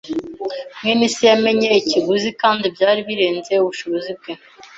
mwene se yamenye ikiguzi kandi byari birenze ubushobozi bwe.